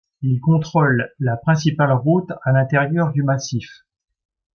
Il contrôle la principale route à l'intérieur du massif.